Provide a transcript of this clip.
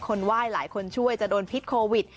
ไหว้หลายคนช่วยจะโดนพิษโควิด